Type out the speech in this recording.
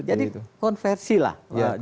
jadi konversi lah